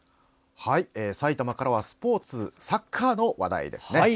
埼玉からはスポーツサッカーの話題です。